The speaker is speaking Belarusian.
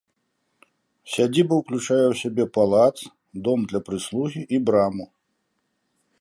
Сядзіба ўключае ў сябе палац, дом для прыслугі і браму.